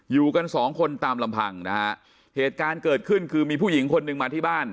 อยู่กันสองคนตามลำพังนะฮะเหตุการณ์เกิดขึ้นคือมีผู้หญิงคนหนึ่งมาที่บ้าน